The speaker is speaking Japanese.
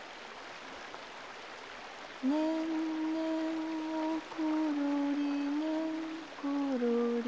「ねんねんおころりねんころり」